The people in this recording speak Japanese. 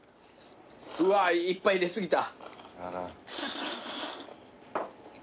うわいっぱい入れ過ぎた。